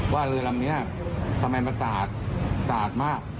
ว่าเรือลำนี้ทำไมมันสาดสาดมาก